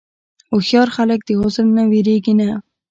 هوښیار خلک د عذر نه وېرېږي نه.